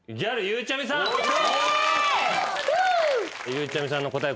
ゆうちゃみさんの答え